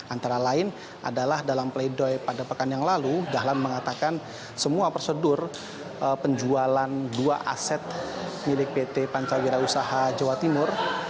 antara lain adalah dalam pleidoy pada pekan yang lalu dahlan mengatakan semua prosedur penjualan dua aset milik pt pancawira usaha jawa timur